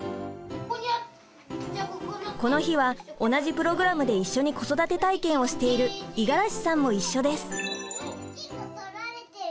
この日は同じプログラムで一緒に子育て体験をしている五十嵐さんも一緒です。